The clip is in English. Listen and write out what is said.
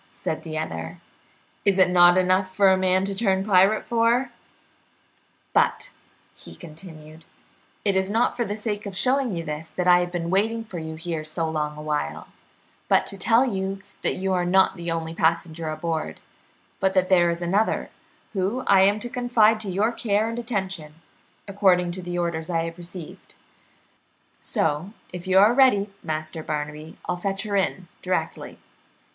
said the other. "Is it not enough for a man to turn pirate for? But," he continued, "it is not for the sake of showing you this that I have been waiting for you here so long a while, but to tell you that you are not the only passenger aboard, but that there is another, whom I am to confide to your care and attention, according to orders I have received; so, if you are ready, Master Barnaby, I'll fetch her in directly."